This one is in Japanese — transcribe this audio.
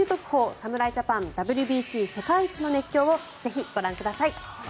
侍ジャパンＷＢＣ世界一の熱狂！」をぜひご覧ください。